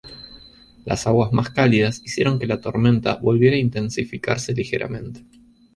Las aguas más cálidas hicieron que la tormenta volviera a intensificarse ligeramente.